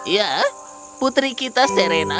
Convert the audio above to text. ya putri kita serena